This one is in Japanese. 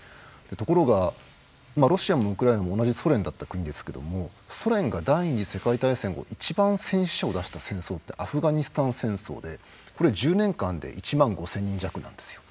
ところがロシアもウクライナも同じソ連だった国ですけどもソ連が第２次世界大戦後一番戦死者を出した戦争ってアフガニスタン戦争でこれ１０年間で１万５，０００人弱なんですよ。